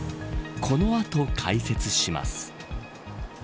この後、解説します。